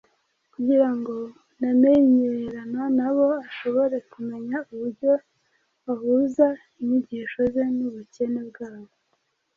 kugira ngo namenyerana nabo ashobore kumenya uburyo ahuza inyigisho ze n’ubukene bwabo.